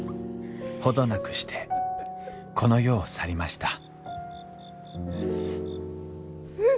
程なくしてこの世を去りましたううっ。